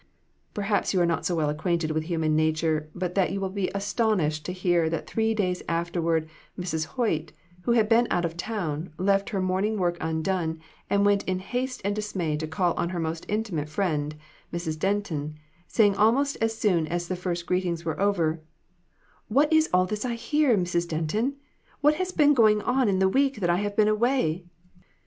Perhaps you are not so well acquainted with human nature but that you will be astonished to hear that three days afterward Mrs. Hoyt, who had been out of town, left her morning work undone, and went in haste and dismay to call on her most intimate friend, Mrs. Denton, saying almost as soon as the first greetings were over, "What is all this I hear, Mrs. Denton? What has been going on in the week that I have been away?